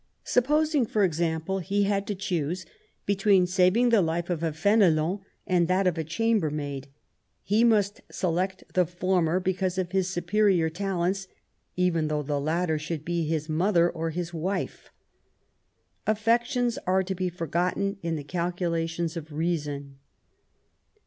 Supposing, for example, he had to choose between saving the life of a F6nelon and that of a chambermaid, he must select the former because of his superior talents, even though the latter should be his mother or his wife. Afi^ections are to be forgotten in the calculations of reason.